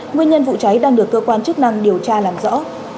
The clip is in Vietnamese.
nguyên nhân vụ cháy đang được cơ quan chức năng điều tra làm rõ